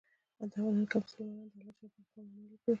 نن که مسلمانان د الله ج په احکامو عمل وکړي.